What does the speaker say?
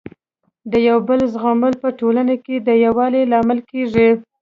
د یو بل زغمل په ټولنه کي د يووالي لامل کيږي.